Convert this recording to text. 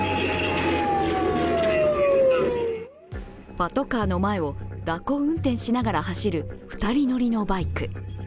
パトカーの前を蛇行運転しながら走る２人乗りのバイク。